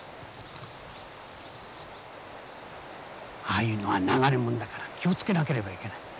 ああいうのは流れ者だから気をつけなければいけない。